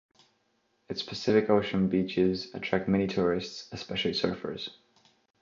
Its Pacific Ocean beaches attract many tourists, especially surfers.